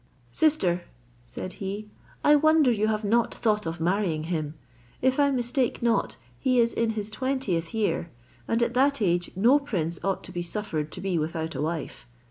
"Sister," said he, "I wonder you have not thought of marrying him: if I mistake not, he is in his twentieth year; and, at that age, no prince ought to be suffered to be without a wife.